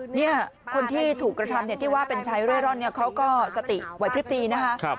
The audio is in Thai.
เนี่ยคนที่ถูกกระทำเนี่ยที่ว่าเป็นชายเรื่อยร่อนเนี่ยเขาก็สติไว้พริบตีนะฮะ